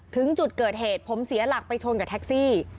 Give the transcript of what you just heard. ถึงจุดเกิดเหตุผมเสียหลักไปชนกับแท็กซี่